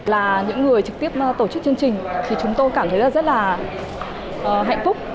là những người trực tiếp tổ chức chương trình thì chúng tôi cảm thấy là rất là hạnh phúc